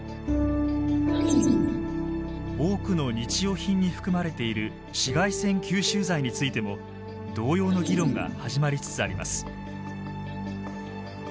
多くの日用品に含まれている紫外線吸収剤についても同様の議論が始まりつつあります。